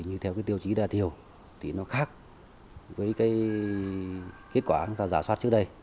như theo tiêu chí đa tiểu thì nó khác với kết quả chúng ta giả soát trước đây